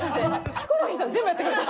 ヒコロヒーさん全部やってくれた。